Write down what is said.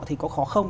thì có khó không